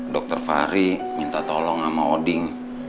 dokter fahri minta tolong sama oding